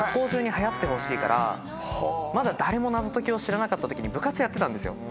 からまだ誰も謎解きを知らなかった時に部活やってたんですよ。